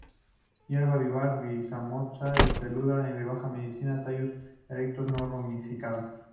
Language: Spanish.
Hierba vivaz rizomatosa y peluda, de baja a mediana; tallos erectos, no ramificados.